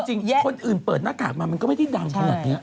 จริงคนอื่นเปิดหน้ากากมาก็ไม่ได้ดังขนาดเนี้ย